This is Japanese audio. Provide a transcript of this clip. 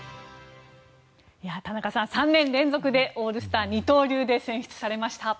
田中さん、３年連続でオールスター、二刀流で選出されました。